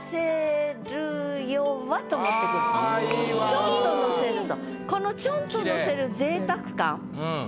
ちょっとのせると。